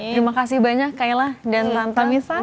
terima kasih banyak kaila dan tanta misa